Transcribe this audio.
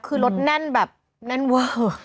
คือรถแน่นแบบแน่นเวอร์